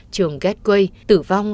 trường gateway tử vong